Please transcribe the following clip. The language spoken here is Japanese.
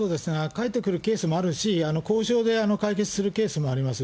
返ってくるケースもあるし、交渉で解決するケースもあります。